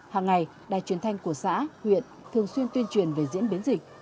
hàng ngày đài truyền thanh của xã huyện thường xuyên tuyên truyền về diễn biến dịch